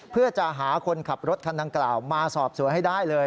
เพื่อจะหาคนขับรถคันดังกล่าวมาสอบสวนให้ได้เลย